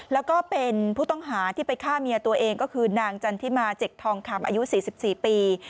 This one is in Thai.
แล้วก็เป็นผู้ต้องหาที่ไปฆ่าเมียตัวเองก็คือนางจันทิมาเจ็กทองคำอายุ๔๔ปี